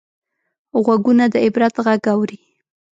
غوږونه د عبرت غږ اوري